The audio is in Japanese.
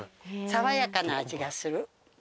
爽やかな味がする。